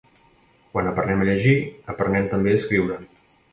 Quan aprenem a llegir, aprenem també a escriure.